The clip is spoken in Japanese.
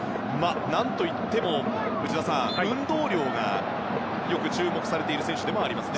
何といっても内田さん、運動量がよく注目されている選手でもありますね。